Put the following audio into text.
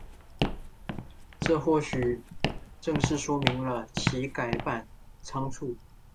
这或许正是说明了其改版仓促。